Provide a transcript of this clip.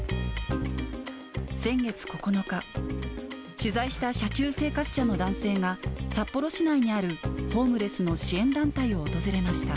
先月９日、取材した車中生活者の男性が、札幌市内にあるホームレスの支援団体を訪れました。